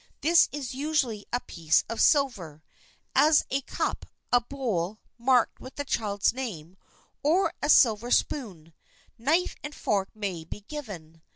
This is usually a piece of silver,—as a cup, a bowl, marked with the child's name; or a silver spoon, knife and fork may be given.